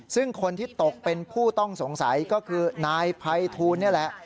ซึ่งคนที่ตกเป็นผู้ต้องสงสัยก็คือนายภัยทูลนี่แหละ